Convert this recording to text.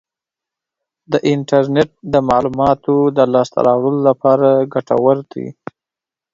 د انټرنیټ د معلوماتو د لاسته راوړلو لپاره ګټور دی.